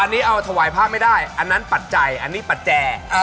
อันนี้เอาถวายภาพไม่ได้อันนั้นประจัยอันนี้ประแจ